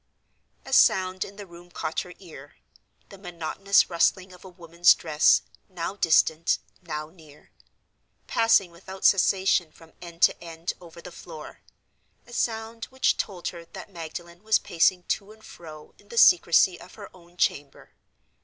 A sound in the room caught her ear—the monotonous rustling of a woman's dress, now distant, now near; passing without cessation from end to end over the floor—a sound which told her that Magdalen was pacing to and fro in the secrecy of her own chamber.